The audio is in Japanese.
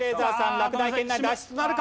落第圏内脱出なるか？